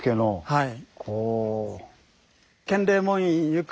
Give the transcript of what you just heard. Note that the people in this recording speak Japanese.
はい。